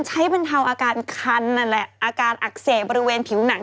ที่เป็นเทาอาการคันอาการอักเสบบริเวณผิวหนัง